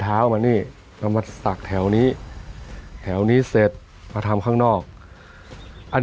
เอามานี่เรามาสักแถวนี้แถวนี้เสร็จมาทำข้างนอกอัน